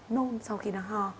nôn sau khi nó ho